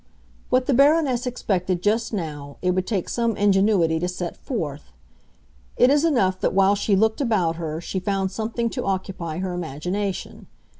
What the Baroness expected just now it would take some ingenuity to set forth; it is enough that while she looked about her she found something to occupy her imagination.